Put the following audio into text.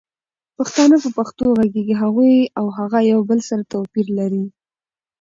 پښتانه په پښتو غږيږي هغوي او هغه يو بل سره توپير لري